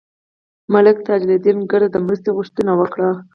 ملک تاج الدین کرد د مرستې غوښتنه وکړه.